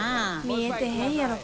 見えてへんやろ。